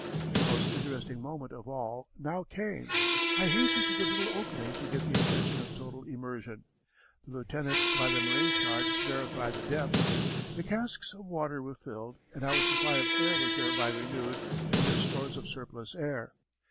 The most interesting moment of all now came. I hastened to the little opening to get the impression of total immersion. The lieutenant by the marine chart verified the depths. The casks of water were filled and our supply of air was thereby renewed from their stores of surplus air.